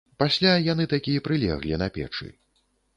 Пасля яны такі прылеглі на печы.